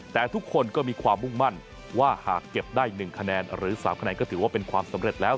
แต่ทุกคนก็มีความมุ่งมั่นว่าหากเก็บได้๑คะแนนหรือ๓คะแนนก็ถือว่าเป็นความสำเร็จแล้ว